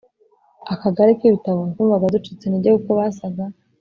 akagare k ibitabo Twumvaga ducitse intege kuko basaga